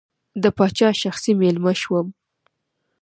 د پاچا شخصي مېلمه شوم.